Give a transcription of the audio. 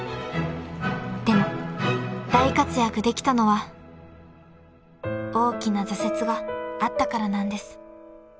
［でも大活躍できたのは大きな挫折があったからなんです］